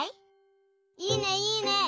いいねいいね。